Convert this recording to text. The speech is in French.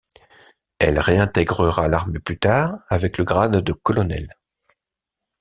Elle réintègrera l'armée plus tard avec le grade de colonel.